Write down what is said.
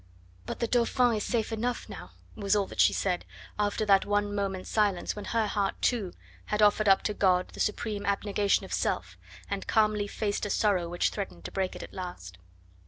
"But the Dauphin is safe enough now," was all that she said, after that one moment's silence when her heart, too, had offered up to God the supreme abnegation of self, and calmly faced a sorrow which threatened to break it at last.